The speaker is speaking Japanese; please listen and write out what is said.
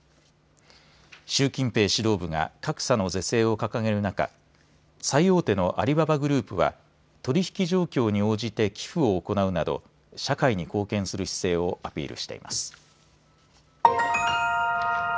習近平指導部が格差の是正を掲げる中、最大手のアリババグループは取引状況に応じて寄付を行うなど社会に貢献する姿勢をアピールしています。